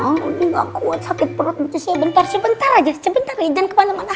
nggak kuat sakit perut bentar sebentar aja sebentar jangan ke mana mana